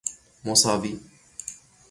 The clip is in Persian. مساوی